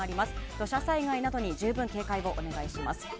土砂災害などに十分警戒をお願いします。